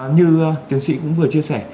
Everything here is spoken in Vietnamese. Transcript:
như tiến sĩ cũng vừa chia sẻ